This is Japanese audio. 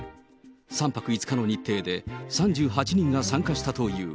３泊５日の日程で、３８人が参加したという。